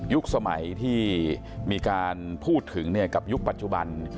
สมัยที่มีการพูดถึงกับยุคปัจจุบัน